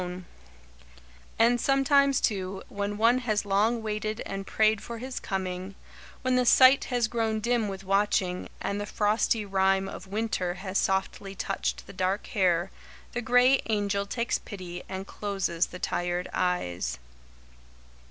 [Sidenote: The Grey Angel and the Prince] And sometimes, too, when one has long waited and prayed for his coming; when the sight has grown dim with watching and the frosty rime of winter has softly touched the dark hair, the Grey Angel takes pity and closes the tired eyes.